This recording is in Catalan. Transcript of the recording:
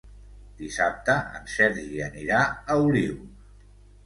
Dissabte en Sergi anirà a Olius.